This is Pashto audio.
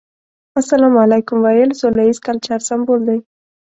السلام عليکم ويل سوله ييز کلچر سمبول دی.